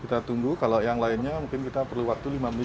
kita tunggu kalau yang lainnya mungkin kita perlu waktu lima menit